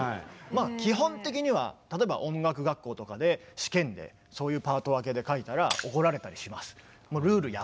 基本的には例えば音楽学校とかで試験でそういうパート分けで書いたら怒られたりします。